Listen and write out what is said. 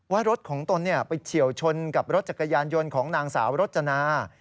ว่ารถของตนไปเฉียวชนกับรถจักรยานยนต์ของนางสาวรจนา